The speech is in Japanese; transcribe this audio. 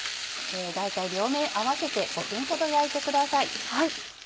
大体両面合わせて５分ほど焼いてください。